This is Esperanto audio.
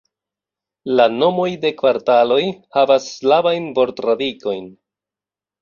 La nomoj de kvartaloj havas slavajn vortradikojn.